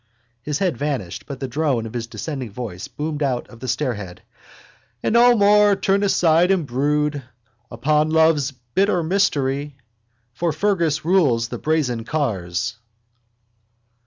His head vanished but the drone of his descending voice boomed out of the stairhead: And no more turn aside and brood Upon love's bitter mystery For Fergus rules the brazen cars.